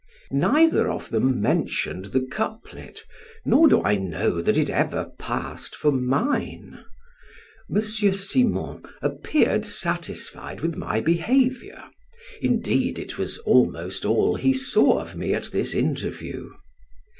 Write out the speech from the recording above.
Neither of them mentioned the couplet nor do I know that it ever passed for mine. M. Simon appeared satisfied with my behavior; indeed, it was almost all he saw of me at this interview.